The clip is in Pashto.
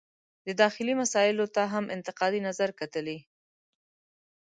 د داخلي مسایلو ته هم انتقادي نظر کتلي.